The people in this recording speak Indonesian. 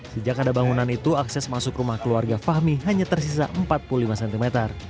sejak ada bangunan itu akses masuk rumah keluarga fahmi hanya tersisa empat puluh lima cm